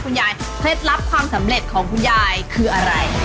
คุณยายเพศรับความสำเร็จของคุณยายคืออะไร